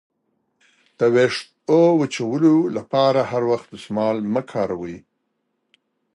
د ویښتو وچولو لپاره هر وخت دستمال مه کاروئ.